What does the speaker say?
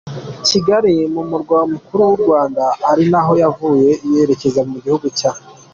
Kigali mu murwa mukuru wu Rwanda ari naho yavuye yerecyeza mu gihugu cya.